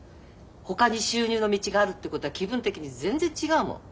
ほかに収入の道があるってことは気分的に全然違うもの。